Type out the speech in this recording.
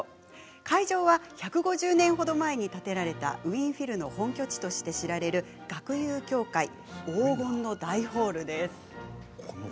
会場は１５０年ほど前に建てられたウィーン・フィルの本拠地として知られる楽友協会黄金の大ホールです。